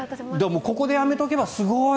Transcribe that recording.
ここでやめとけばすごい！